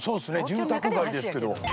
住宅街ですけど。